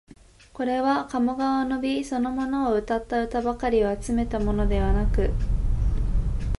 これは鴨川の美そのものをうたった歌ばかりを集めたものではなく、